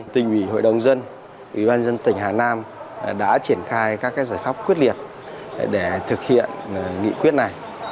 tỉnh ủy hội đồng dân ubnd tỉnh hà nam đã triển khai các giải pháp quyết liệt để thực hiện nghị quyết này